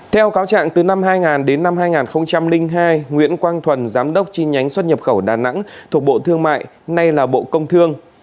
theo cáo trạng từ năm hai nghìn đến năm hai nghìn hai nguyễn quang thuần giám đốc chi nhánh xuất nhập khẩu đà nẵng thuộc bộ thương mại nay là bộ công thương